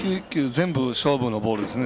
全部勝負のボールですね。